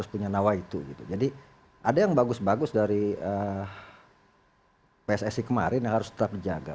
pssi kemarin harus tetap menjaga